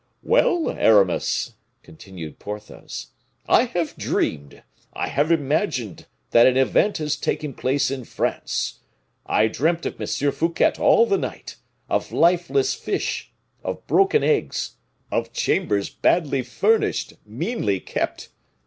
"Well! Aramis," continued Porthos, "I have dreamed, I have imagined that an event has taken place in France. I dreamt of M. Fouquet all the night, of lifeless fish, of broken eggs, of chambers badly furnished, meanly kept.